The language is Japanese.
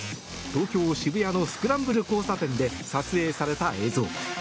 東京・渋谷のスクランブル交差点で撮影された映像。